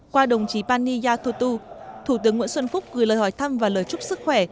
qua đồng chí pani yathotu thủ tướng nguyễn xuân phúc gửi lời hỏi thăm và lời chúc sức khỏe